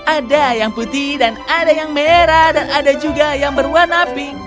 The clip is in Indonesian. ada yang putih dan ada yang merah dan ada juga yang berwarna pink